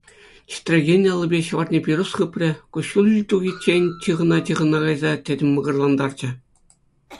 Чӗтрекен аллипе ҫӑварне пирус хыпрӗ, куҫҫуль тухичченех чыхӑна-чыхӑна кайса тӗтӗм мӑкӑрлантарчӗ.